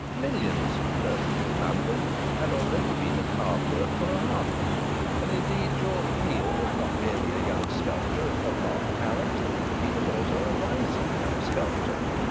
Millions of persons in London had already been at hard work for hours. And indeed George Peel was not merely a young sculptor of marked talent; he was also a rising young sculptor.